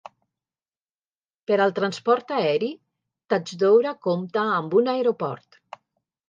Per al transport aeri, Tajdoura compta amb un aeroport.